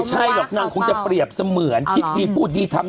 ใช่หรอกนางคงจะเปรียบเสมือนคิดดีพูดดีทำ